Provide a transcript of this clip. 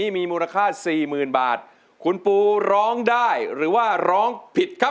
มีมูลค่าสี่หมื่นบาทคุณปูร้องได้หรือว่าร้องผิดครับ